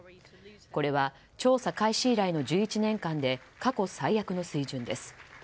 これは、調査開始以来の１１年間で過去最悪の水準です。